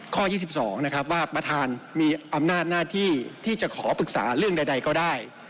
๒๒นะครับว่าประธานมีอำนาจหน้าที่ที่จะขอปรึกษาเรื่องใดก็ได้